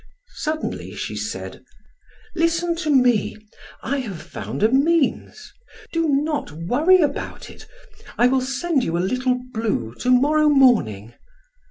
Suddenly she said: "Listen to me, I have found a means; do not worry about it. I will send you a 'little blue' to morrow morning."